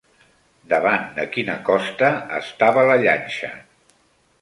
Davant de quina costa estava la llanxa?